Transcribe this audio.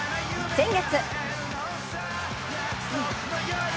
先月。